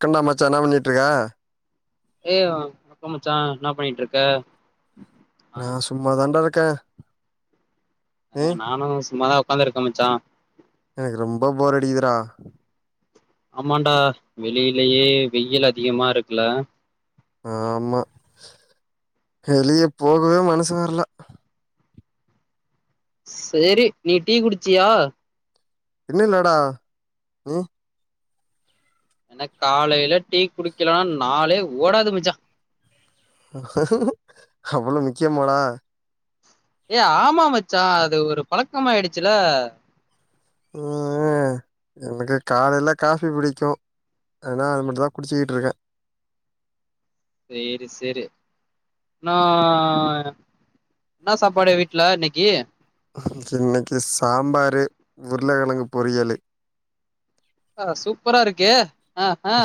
கண்டா மச்சா என்ன பண்ணிட்ருக்க ஏ மச்சான் என்ன பண்ணிட்ருக்க நா சும்ம தாண்டா க்கே அ நானு சும்மா தா ஒக்காந்துருக்கே மச்சா எனக்கு ரொம்ப போர் அடிக்குதுரா ஆமாடா வெளியிலேயே வெயில் அதிகமா இருக்குல ஆமா வெளிய போகவே மனசு வரல செரி நீ டீ குடிச்சியா இன்னு இல்லடா நீ எனக்காலையில டீ குடிக்கலனா நாளே ஓடாது மச்சா அவ்ளோ முக்கியமாடா ஏ ஆமா மச்சா அது ஒரு பலக்கமாயிடுச்சில உ உ எனக்கு காலையில காஃபி பிடிக்கு ஆனா அது மட்டுந்தா குடிச்சுக்கிட்டு இருக்கே சேரி செரி நா ன்ன சாப்பாடு வீட்ல இன்னிக்கு இன்னிக்கு சாம்பாரு உருளக்கிழங்கு பொரியலு ஆ சூப்பரா இருக்கு அ ஆ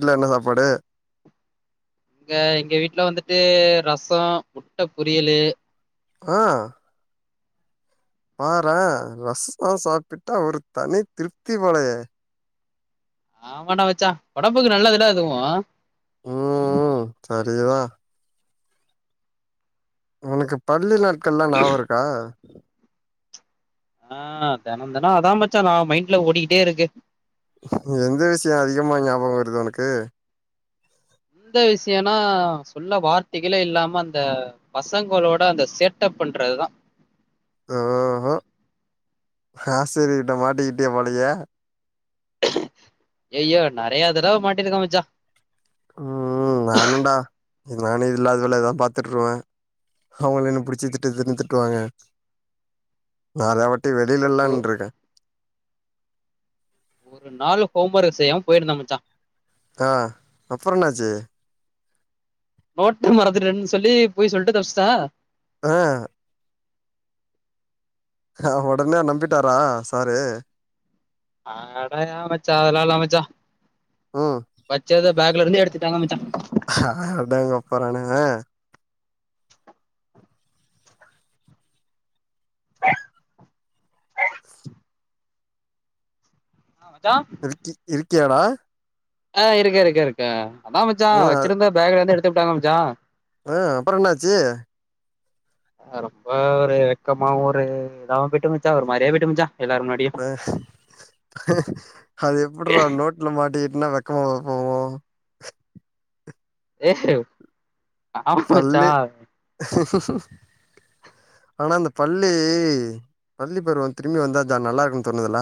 ல்ல என்ன சாப்பாடு இங்க எங்க வீட்ல வந்துட்டு ரசம் முட்ட பொரியலு ஆ பாறே ரசோ சாப்டுட்டா ஒரு தனி திருப்தி போலயே ஆமான்டா மச்சா ஒடம்புக்கு நல்லது இல்ல அதுவு உ செரிதா உனக்கு பள்ளுலா கல்லா நியாபருக்கா ஆ தெனோ தெனோ அதா மச்சா நா மைண்ட்ல ஓடிட்டேருக்கு எந்த விஷயோ அதிகமா ஞாபக வருது உனக்கு எந்த விஷயனா சொல்ல வார்த்தைகலே இல்லாம அந்த பசங்களோட அந்த சேட்டப் பண்றதுதா ஆசிரியர் கிட்ட மாட்டிக்கிட்டிய போலயே ஐயய்யோ நெறைய தடவ மாட்டிருக்க மச்சா ம் நானுன்டா இது நானு இல்லாத வேல தா பாத்துட்டுருவே அவுங்களு என்ன பிடிச்சி திட்டு திட்டுன் திட்டுவாங்க வேறதா வன் ட்டு வெளிலல்லா ஒ நின்ருக்கே ஒரு நாலு ஹோம் ஒர்க் செய்யாம போயிருந்த மச்சா ஆ அப்பற என்னாச்சு நோட்ட மறந்துட்டன் சொல்லி பொய் சொல்ட்டு தப்ச்சுட்ட ஆ ஹா ஒடனே நம்பிட்டாரா சாரு அட ஏ மச்சா அதலால்ல மச்சா ம் வச்சது பேக்லருந்து எடுத்துட்டாங்க மச்சா ஹஹ அடங் கொப்பறான ஆ ஆ மச்சா [unintelligible] இரு கியாடா ஆ இருக்க இருக்க இருக்கா அதா மச்சா ஆ வச்சுருந்த பேகுலந்து எடு த்துப்டாங்க மச்சா ஆ அப்பற என்னாச்சு அ ரொம்ப ஒரு வெக்கமா ஒரு இதாவு போய்ட்டு மச்சா ஒரு மாரியா போய்ட்டு மச்சா எல்லாரு முன்னாடியு அது எப்புட்றா நோட்ல மாட்டிகிட்னா வெ க்கமா போவு ஏஹெ சொல்லு ஆனா இந்த பள்ளி பள்ளி பருவ திரும்பி வந்தாதா நல்லாருக்குன் தோணுதுல்ல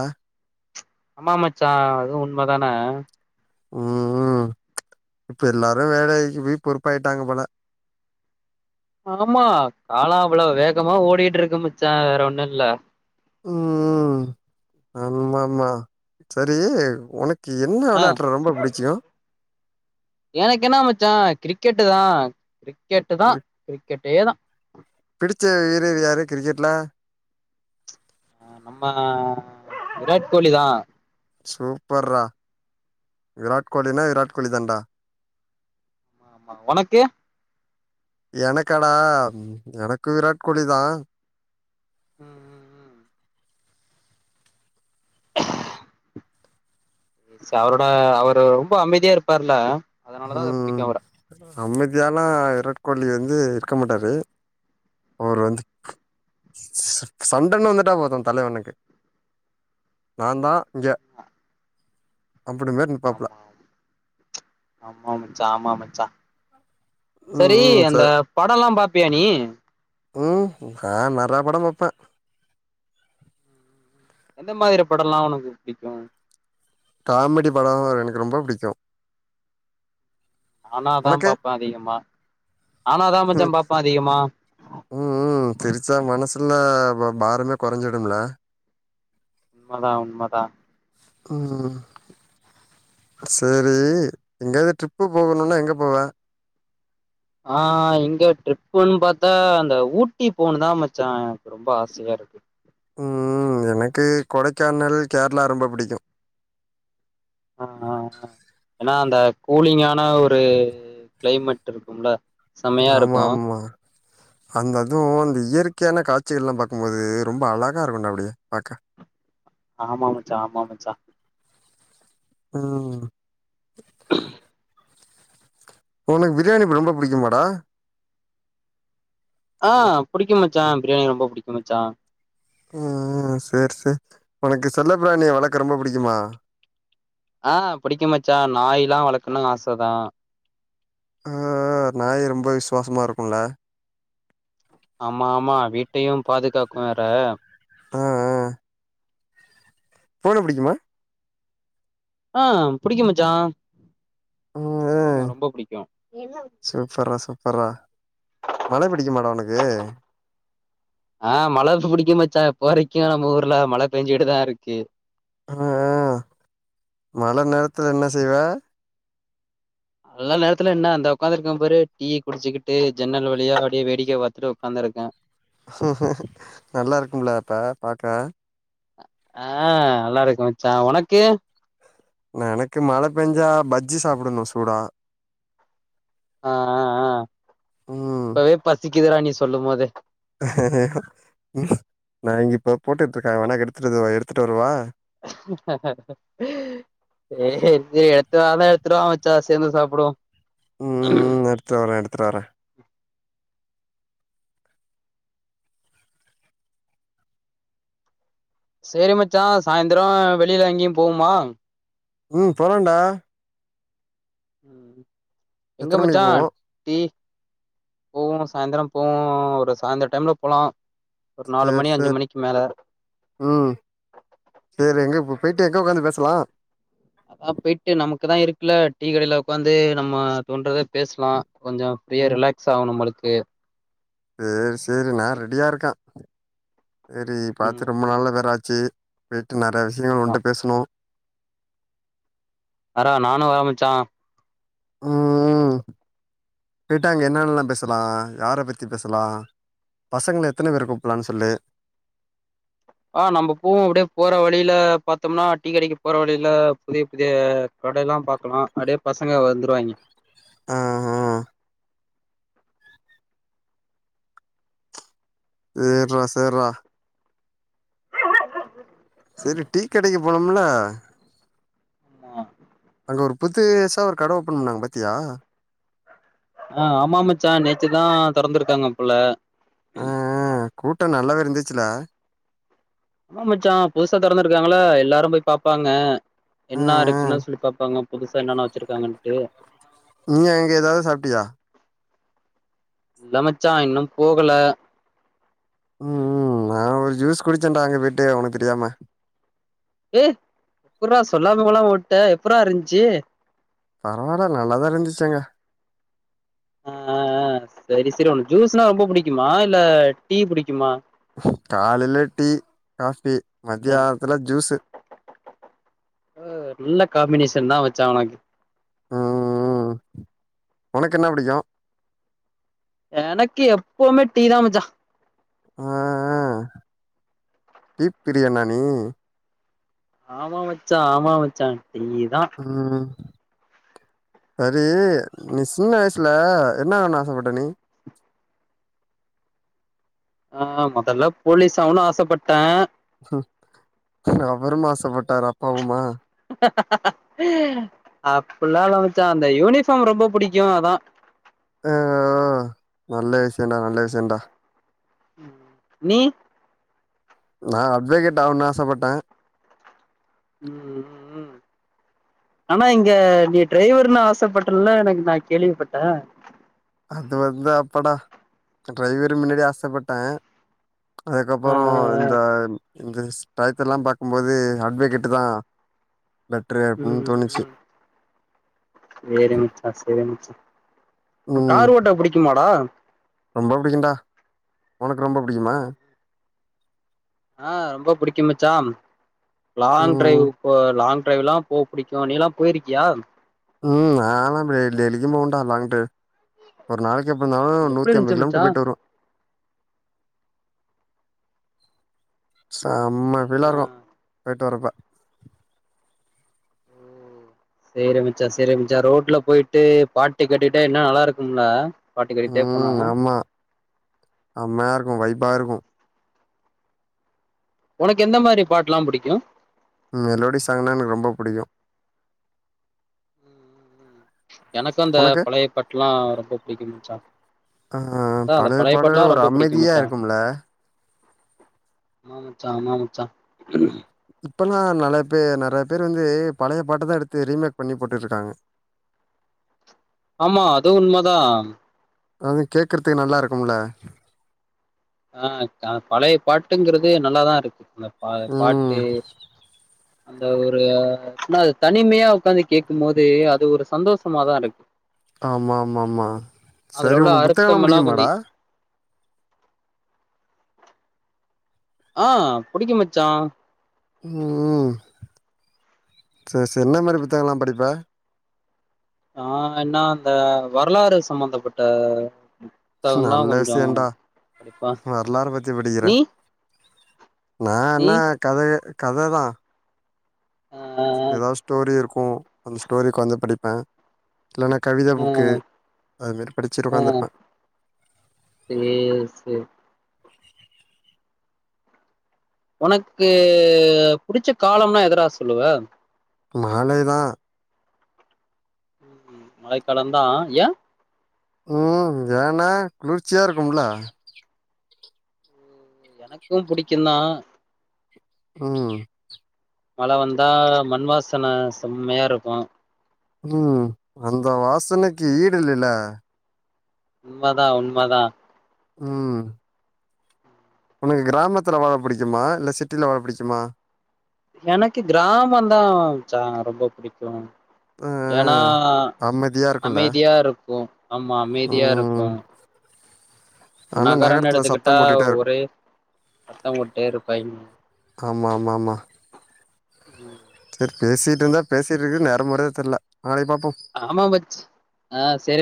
அம்மா மச்சா அதுவு உண்மதானே ம் ம் இப்ப எல்லாரு வேலைக்கு போய் பொறுப்பாயிட்டாங்க போல ஆமா கால அவ்வளொ வேகமா ஓடிட்ருக்கு மச்சா வேற ஒன்னுல்ல ம் ம் ஆமாமா சரி ஒனக் கு என்ன ஆ வெளயாட்றா ரொம்ப புடிக்கு எனக்கென்னா மச்சா கிரிக்கெட்டு தா கிரிக் கெட்டு தா கிரிக்கெட் டே தா பிடிச்ச வீரர் யாரு கிரிக்கெட்ல ஆ நம்ம விராட் கோலி தா சூப்பர்ரா விராட் கோலினா விராட் கோலி தான்டா ஆமா ஒனக்கு எனக்காடா எனக்கு விராட் கோலி தா ம் ம் ம் [inaudible] சவரோட அவரு ரொம்ப அமைதியா இருப்பாருல்ல ம் அமித் இதெல்லா விராட் கோலி வந்து இருக்க மாட்டாரு அவரு வந்து சண்டன்னு வந்துட்டா போதும் தலைவணுக்கு நா தா இங்க அப்டி மேர நிப்பாப்ல ஆமா ஆமா மச்சா ஆமா மச்சா ம் செரி ம் ச அந்த படம் எல்லா பாப்பியா நீ ம் அ நெறைய படம் பாப்பேன் எந்த மாரி படம் எல்லா உனக்கு பிடிக்கும் காமெடி படம் எனக்கு ரொம்ப பிடிக்கும் நானா அதான் பாப்பேன் அதிகமா நானா அதான் மச்சா ம் பாப்பன் அதிகமா இப்போ பாரமே குறைஞ்சிடும்ல உண்மை தா உண்மை தா ம் செரி எங்கயாது ட்ரிப்பு போகணும்னா எங்க போவ ஆ இங்க ட்ரிப்புன்னு பாத்தா அந்த ஊட்டி போணு தா மச்சான் ரொம்ப ஆசையா இருக்கு ம் எனக்கு கொடைக்கானல் கேரளா ரொம்ப பிடிக்கும் ஆ ஆ ஏன்னா அந்த கூலிங்கான ஒரு கிளைமேட் இருக்கும்ல செமையா ஆமா இருக்கு ஆமா அந்த அதுவும் அந்த இயற்கையான காட்சிகள் எல்லா பாக்கும்போது ரொம்ப அழகா இருக்கும்ண்டா அப்டியே பாக்க ஆமா மச்சா ஆமா மச்சா ம் [inaudible] உனக்கு பிரியாணி ரொம்ப பிடிக்கும்மாடா ஆ புடிக்குமே மச்சா பிரியாணி ரொம்ப பிடிக்கும் மச்சா ம் செரி செரி உனக்கு செல்ல பிராணிய வழக்க ரொம்ப பிடிக்குமா ஆ புடிக்கும் மச்சா நாய் எல்லா வளர்க்கணும் ஆசை தா ஆ நாய் ரொம்ப விசுவாசமா இருக்கும்ல ஆமா ஆமா வீட்டையும் பாதுகாக்கும் வேற ஆ ஆ பூனை பிடிக்குமா ஆ புடிக்கும் மச்சா ம் ம் புடிக்கு ரொம்ப புடிக்கு சூப்பர்ரா சூப்பர்ரா மழை பிடிக்குமடா உனக்கு ஆ மழை புடிக்கும் மச்சா இப்போ வரைக்கும் நம்ம ஊர்ல மழை பேஞ்சீட்டு தா இருக்கு அ அ மழை நேரத்துல என்ன செய்வ மழை நேரத்துல என்ன இந்தா உக்காந்துருக்கே பாரு டீ குடிச்சுக்கிட்டு ஜன்னல் வழியா அப்டியே வேடிக்கை பாத்துட்டு உக்காந்து இருக்கேன் நல்லா இருக்கும்ல அப்ப பாக்க ஆ நல்லா இருக்கும் மச்சா உனக்கு எனக்கு மழை பெஞ்சா பஜ்ஜி சாப்பிடணும் சூடா அ அ அ ம் இப்பவே பசிக்குதுடா நீ சொல்லுமோதே நா இங்கப்ப போட்டுட்டு இருக்கே வேணா எடுத்துற்வரவா எடுத்துட்டு வரவா ட்த்தா வா மச்சா சேர்ந்து சாப்புடுவோ ம் ம் எடுத்துட்டுவறே எடுத்துட்டுவறே சேரி மச்சா சாயந்திரு வெளியில எங்கியு போவோமா ம் போலாண்டா ம் எங்க எத்தன மணிக்கு போவோ மச்சான் டீ போவோ சாயந்திரு போவோ ஒரு சாந்தர டைம்ல போலா ஒரு நாலு சேரி மணி அஞ்சு சேரி மணிக்கு மேல ம் சேரி எங்க போ போயிட்டு எங்க உட்காந்து பேசலா அதான் போயிட்டு நமக்குதா இருக்குல்ல டீ கடையில உக்காந்து நம்ம தோன்றத பேசலா கொஞ்சோ ஃபீரியா ம் ரிலாக்ஸா ஆனு நம்ளுக்கு கே சேரி சேரி நா ரெடியா இருக்கே சேரி பாத்து ம் ரொம்ப ம் நாள்ளவேறாச்சி உஹம் நெறைய விஷயங்கள் ஆமா உன்ட பேசனோ ஆற நானு வரமச்சா ம் ம் ம் போய்ட்டா அங்க என்னன்னல்லா பேசலா யார பத்தி பேசலா பசங்க எத்தன பேர கூப்பலானு சொல்லு ஆ நம்ம பூவும் அப்பிடியே போற வழியில பாத்தோம்னா டீக்கடைக்கு போற வழியில புதிய புதிய கடெல்லா பாக்கலா அப்பிடியே பசங்க வந்துருவாங்க ஆ ஆ சேர்ரா சேர்ரா போனும்ள ஆ அங்க ஒரு புத்துசா ஒரு கட ஓப்பன் பண்ணாங்க பாத்தியா ஆ ஆமா மச்சா நேத்து தா தொறந்திருக்காங்க போல ஆ ஆ கூட்டோ நல்லாவே இருந்ச் ச்சுலா ஆமா மச்சா புதுசா திறந்திருக்காங்கள எல்லாரு போய் பபப்பாங்க ஆ ஆ என்ன இருக்குன்னு சொல்லி பாப்பாங்க புதுசா என்னன்னா வச்சிருக்காங்கன்னட்டு நீ எங்க ஏதாது சாப்பிட்டியா இல்ல மச்சா இன்னு போகல ம் ம் நா ஒரு ஜூஸ் குடிச்சேன்டா அங்க போய்ட்டு உனக்கு தெரியாம ஏ எப்புராா சொல்லாமகொகம்ம ஓட்ட எப்புரா இருந்துச்சி பரவாயில்ல நல்லாதா இருந்துச்சி அங்க ம் ஆஆ சரி சரி ஒண்ணு ஜூஸ்னா ரொம்ப புடிக்குமா இல்ல டீ புடிக்குமா காலையில டீ காஃபி அ, மத்தியானத்துல ஜூஸு என்னா வச்சா உனக் ம் உனக்கு என்ன புடிக்கு எனக்கு எப்பமே டீதா மச்சா ஆ ஆ பீப் பிரியாணா நீ ஆமா மச்சா ஆமா மச்சா டீ தா ம் சரி நீ சின்ன வயசுல என்ன ஆகணுன்னு ஆசப்பட்ட நீ ஆ மொதல்ல போலீஸ் ஆவனுனு ஆசப்பட்டே அவரும் ஆசப்பட்டாரா அப்பாவுமா அப்பிட்லா இல்ல மச்சா அந்த யூனிஃபார்ம் ரொம்ப புடிக்கு அதா ஆ ஓ நல்ல விஷயண்டா நல்ல விஷயண்டா நீ நா அட்வகேட் ஆகனுன்னு ஆசப்பட்டே ம் ம் ம் ஆனா இங்க நீ டிரைவர்னு ஆசைப்பட்டன்ல நா நா கேள்விப்பட்டே அது வந்து அப்படா அ டிரைவரு முன்னாடி ஆசப்பட்டே ஆ அதுக்கப்புறோ இந்த இந்த ஸ் டயத்தெல்லா பாக்கும்போது அட்வகேட்டுதா பெட்ரு அப்டினு ம் தோணுச்சு ம் சேரி மச்சா சேரி மச்சா உனக்கு ம் காரு ஓட்ட புடிக்குமாடா? ரொம்ப புடிக்குண்டா உனக்கு ரொம்ப புடிக்குமா? ஆ ரொம்ப புடிக்கு மச்சா லாங் ட்ரைவ் ம் போ லாங் ட்ரைவ்லா போக புடிக்கு நீ எல்லா போயிருக்கியா? ம் நால்லா இப்டி டெயிலிக்கும் போவண்டா லாங் ட்ரைவ் ஒரு நாளைக் கி எப்பிட்னாலு எப்டி நூத்தி அம்பது இருந்துச்சு மச்சா கிலோமீட்டர் போய்ட்டு வருவே செம்ம ஆ ஃபீலா இருக்கு போய்ட்டு வர்றப்ப ம் சேரி மச்சா சேரி மச்சா ரோட்ல போயிட்டு பாட்டு கேட்டுட்டே இன்னா நல்லா இருக்கும்ல பாட்டு கேட்டுட்டே போனா ம் ஆமா செமையா இருக்கு வை பா இருக்கு உனக்கு எந்த மாரி பாட்லா புடிக்கு மெலோடி சாங்னா எனக்கு ரொம்ப புடிக்கு [inaudible] எனக்கு அந்த உனக்கு பழைய பாட்லா ரொம்ப புடிக்கு மச்சா ஆ அதா அந்த பழைய பாட்டுலா பாடல்கள் ஒரு ரொம்ப புடிக்கு அமைதியா மச்சா இருக்கும்ல ஆமா மச்சா ஆமா மச்சா இப்பல்லா நெலய பே நெறைய பேர் வந்து பழைய பாட்டதா எடுத்து ரீமேக் பண்ணி போட்டுட்ருக்காங்க ஆமா அது உண்மதா அது கேக்குறதுக்கு நல்லா இருக்கும்ல ஆ கா பழைய பாட்டுங்கிறது நல்லாதா இருக்கு அந்த ஆ பாட்டு ம் அந்த ஒரு ஆன தனிமையா உட்காந்து கேட்கு போது அது ஒரு சந்தோஷமாதா இருக்கு ஆமா ஆமா ஆமா அதுல சரி உள்ள உனக்கு புத்தகல்லா அர்த்தமெல்லா கொஞ்ச புடிக்குமாடா ஆ புடிக்கு மச்சா ம் செர் செர் என்ன மாரி புத்தக்கலா படிப்ப நா என்ன இந்த வரலாறு சம்பந்தப்பட்ட புத்தகம்லா நல்ல கொஞ்சோ விஷயடா படிப்பா வரலாற பத்தி படிக்கிறே நீ நா நீ என்னா கத கததா ஆ ஏதாவது ஸ்டோரி இருக்கு உ அந்த ஸ்டோரிக்காந்து படிப்பே இல்லன்னா கவித ஆ புக்கு அது மாரி படிச்சுட்டு ஆ உக்காந்துருப்பே சேரி சேரி உனக்கு புடிச்ச காலம்னா எதரா சொல்லுவ மாலைய்தா மழைக்காலம்தா ஏ உம்மு ஏன்னா குளிர்ச்சியா இருக்கும்ல எனக்கு புடிக்கு தா ம் மழ வந்தா மண்வாசன செம்மையா இருக்கு ம் அந்த வாசனைக்கு ஈடு இல்லில உண்மதா உண்மதா ம் உனக்கு கிராமத்துல வாழ பிடிக்குமா இல்ல சிட்டில வாழ பிடிக்குமா எனக்கு கிராம தா மச்சா ரொம்ப பிடிக்கு ஆ ஏன்னா அமைதியா இருக்கும்டா அமைதியா இருக்கு ஆமா அமைதியா இருக்கு ம் ஆனா நகரனு நகரத்துல எடுத்துக்கிட்டா சத்தம் போட்டுட்டே இருக்கு ஒரே சத்தம் விட்டே இருப்பாங்க ஆமா ஆமா ஆமா ம் சரி பேசிட்டு இருந்தா பேசிட்டு இருக்குற நேரோ போறதே தெர்ல நாளைக்கு பாப்போ ஆமா மச்சு ஆ செரி